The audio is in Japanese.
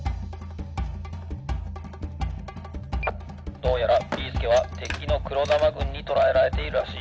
「どうやらビーすけはてきのくろだまぐんにとらえられているらしい。